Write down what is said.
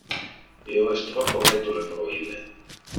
Io es troppo vetule pro ille.